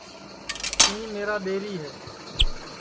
توں میرا ٻیری ہے